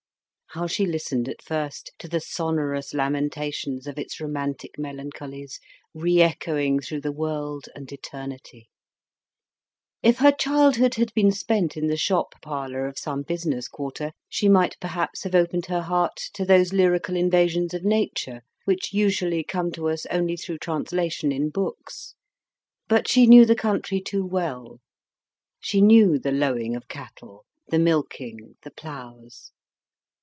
How she listened at first to the sonorous lamentations of its romantic melancholies reechoing through the world and eternity! If her childhood had been spent in the shop parlour of some business quarter, she might perhaps have opened her heart to those lyrical invasions of Nature, which usually come to us only through translation in books. But she knew the country too well; she knew the lowing of cattle, the milking, the ploughs.